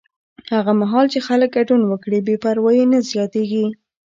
هغه مهال چې خلک ګډون وکړي، بې پروایي نه زیاتېږي.